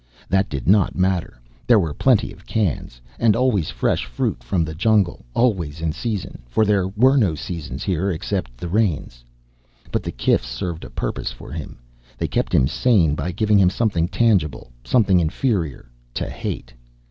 That did not matter. There were plenty of cans. And always fresh fruit from the jungle. Always in season, for there were no seasons here, except the rains. But the kifs served a purpose for him. They kept him sane, by giving him something tangible, something inferior, to hate.